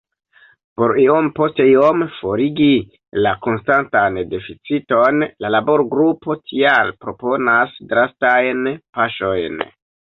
Por iom post iom forigi la konstantan deficiton la laborgrupo tial proponas drastajn paŝojn.